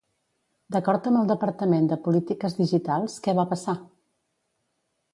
D'acord amb el Departament de Polítiques Digitals, què va passar?